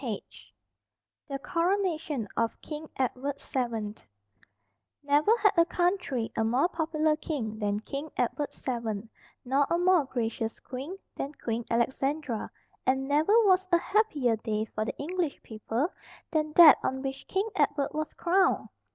=The Coronation of King Edward VII= Never had a country a more popular king than King Edward VII, nor a more gracious queen than Queen Alexandra, and never was a happier day for the English people than that on which King Edward was crowned.